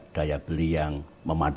daya beli yang memadai